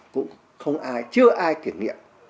chưa ai kiểm nghiệm